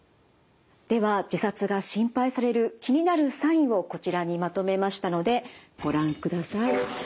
では自殺が心配される気になるサインをこちらにまとめましたのでご覧ください。